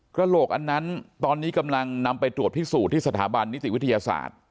กระโหลกอันนั้นตอนนี้กำลังนำไปตรวจพิสูจน์ที่สถาบันนิติวิทยาศาสตร์